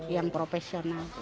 yang profesional ya iya